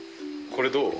これどう？